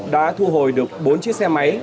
đã thu hồi được bốn chiếc xe máy